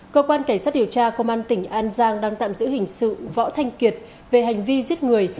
cơ quan cảnh sát điều tra công an tỉnh an giang đang tạm giữ hình sự võ thanh kiệt về hành vi giết người